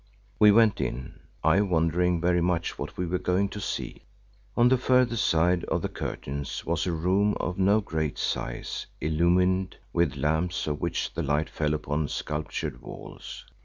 We went in, I wondering very much what we were going to see. On the further side of the curtains was a room of no great size illumined with lamps of which the light fell upon sculptured walls.